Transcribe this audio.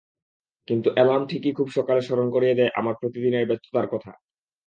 কিন্তু অ্যালার্ম ঠিকই খুব সকালে স্মরণ করিয়ে দেয় আমার প্রতিদিনের ব্যস্ততার কথা।